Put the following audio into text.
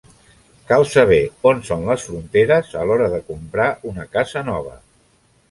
Cal saber on són les fronteres a l'hora de comprar una casa nova.